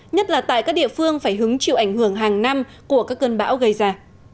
nhất là tại các địa phương phải hứng chịu ảnh hưởng hàng năm của các cơn bão gây ra